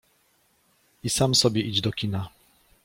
I sam sobie idź do kina.